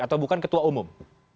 atau bukan ketua umum